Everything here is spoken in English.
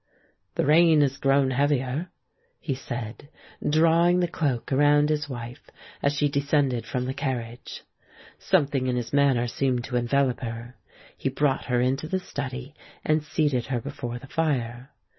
"The rain has grown heavier," he said, drawing the cloak around his wife as she descended from the carriage. Something in his manner seemed to envelop her. He brought her into the study and seated her before the fire.